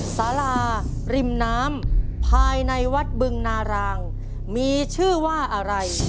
สาราริมน้ำภายในวัดบึงนารางมีชื่อว่าอะไร